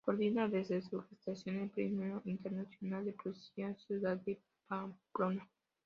Coordina desde su gestación el Premio Internacional de Poesía "Ciudad de Pamplona".